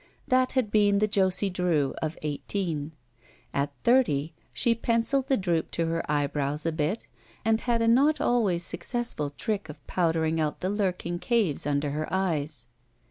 That had been the Josie Drew of eighteen. At thirty she penciled the droop to her eyebrows a bit and had a not always successful trick of powder ing out the lurking caves under her eyes.